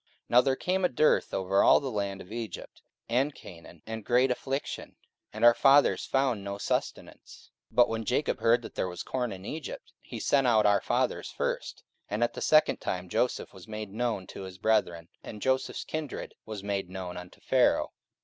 44:007:011 Now there came a dearth over all the land of Egypt and Chanaan, and great affliction: and our fathers found no sustenance. 44:007:012 But when Jacob heard that there was corn in Egypt, he sent out our fathers first. 44:007:013 And at the second time Joseph was made known to his brethren; and Joseph's kindred was made known unto Pharaoh.